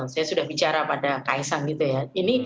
saya sudah bicara pada kaisang gitu ya